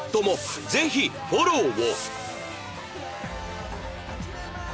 ぜひフォローを